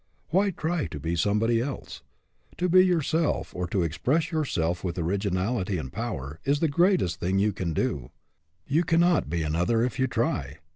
Why try to be somebody else? To be yourself, or to express yourself with original ity and power, is the greatest thing you can do. You cannot be another if you try.